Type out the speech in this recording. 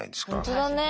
ほんとだね。